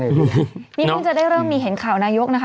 นี่เพิ่งจะได้เริ่มมีเห็นข่าวนายกนะคะ